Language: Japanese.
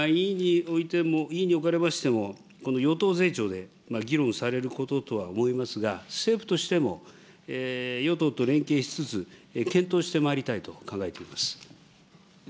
委員におかれましても、この与党税調で議論されることとは思いますが、政府としても与党と連携しつつ、検討してまいりたいと考えています。